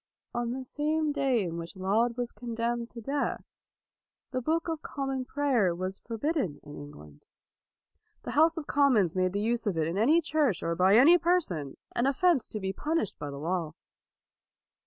On the same day in which Laud was condemned to death, the Book of Common Prayer was forbidden in Eng land. The House of Commons made the 232 LAUD use of it in any church or by any person an offense to be punished by the law.